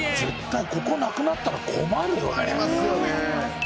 絶対ここなくなったら困るよね。